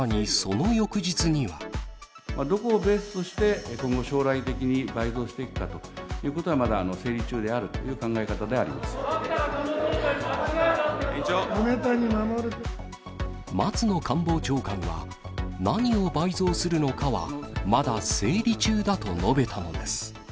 どこをベースとして、今後、将来的に倍増していくかということは、まだ整理中であるという考だったらその答弁、間違いだ松野官房長官は、何を倍増するのかはまだ整理中だと述べたのです。